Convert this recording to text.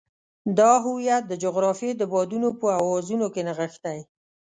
دا هویت د جغرافیې د بادونو په اوازونو کې نغښتی.